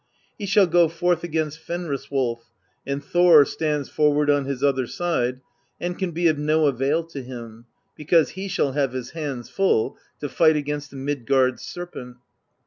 He shall go forth against Fenris Wolf, and Thor stands forward on his other side, and can be of no avail to him, because he shall have his hands full to fight against the Midgard Serpent.